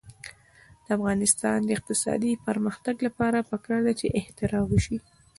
د افغانستان د اقتصادي پرمختګ لپاره پکار ده چې اختراع وشي.